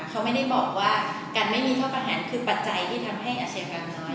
เขาไม่ได้บอกว่าการไม่มีโทษประหารคือปัจจัยที่ทำให้อาชญากรรมน้อย